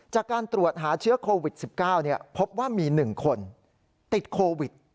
จากการตรวจหาเชื้อโควิด๑๙พบว่ามี๑คนติดโควิด